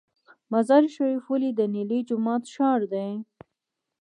مزار شریف ولې د نیلي جومات ښار دی؟